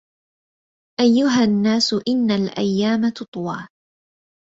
أَيُّهَا النَّاسُ إنَّ الْأَيَّامَ تُطْوَى